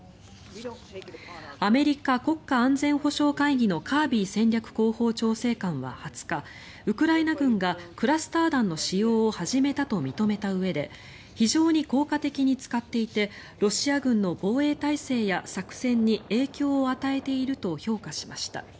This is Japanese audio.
アメリカ国家安全保障会議のカービー戦略広報調整官は２０日ウクライナ軍がクラスター弾の使用を始めたと認めたうえで非常に効果的に使っていてロシア軍の防衛態勢や作戦に影響を与えていると評価しました。